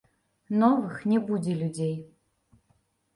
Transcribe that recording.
Новых не будзе людзей.